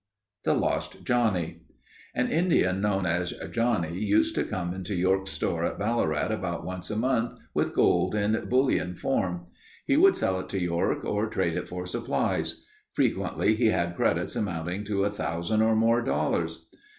THE LOST JOHNNIE. An Indian known as Johnnie used to come into York's store at Ballarat about once a month with gold in bullion form. He would sell it to York or trade it for supplies. Frequently he had credits amounting to a thousand or more dollars.